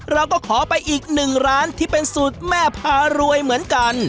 เราก็ขอไปอีกหนึ่งร้านที่เป็นสูตรแม่พารวยเหมือนกัน